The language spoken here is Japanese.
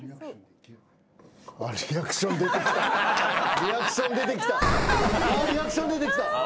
リアクション出てきた。